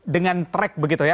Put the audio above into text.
dengan track begitu ya